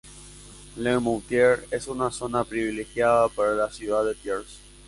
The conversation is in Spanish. Le Moutier es una zona privilegiada para la ciudad de Thiers.